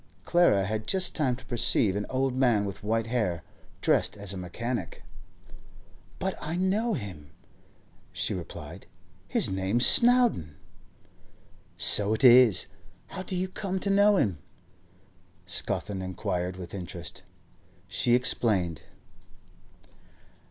Clara had just time to perceive an old man with white hair, dressed as a mechanic. 'But I know him,' she replied. 'His name's Snowdon.' 'So it is. How do you come to know him?' Scawthorne inquired with interest. She explained.